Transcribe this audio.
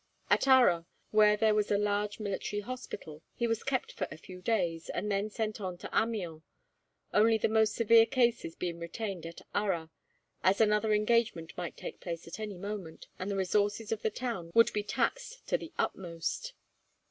At Arras, where there was a large military hospital, he was kept for a few days, and then sent on to Amiens, only the most severe cases being retained at Arras, as another engagement might take place at any moment, and the resources of the town would be taxed to the utmost.